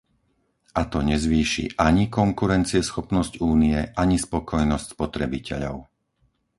A to nezvýši ani konkurencieschopnosť Únie, ani spokojnosť spotrebiteľov.